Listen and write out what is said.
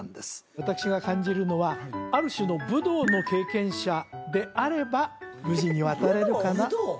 私が感じるのはある種の武道の経験者であれば無事に渡れるかな武道？